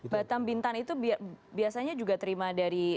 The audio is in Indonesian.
batam bintan itu biasanya juga terima dari